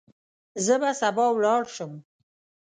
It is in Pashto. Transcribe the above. زه به سبا ولاړ شم.